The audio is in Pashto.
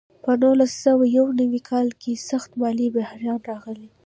په نولس سوه یو نوي کال کې سخت مالي بحران راغی.